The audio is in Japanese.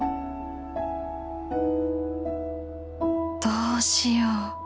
どうしよう